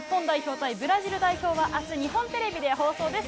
日本代表対ブラジル代表は、あす日本テレビで放送です。